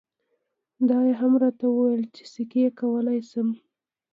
دا یې هم راته وویل چې سکی کولای شم.